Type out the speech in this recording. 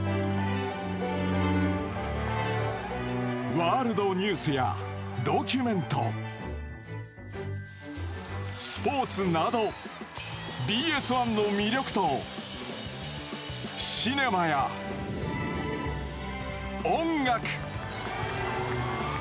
ワールドニュースやドキュメントスポーツなどＢＳ１の魅力とシネマや音楽。